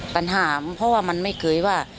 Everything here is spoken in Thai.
ปัญหาเพราะว่ามันไม่เคยว่า